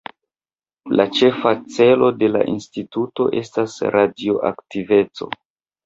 La ĉefa celo de la Instituto estas radioaktiveco.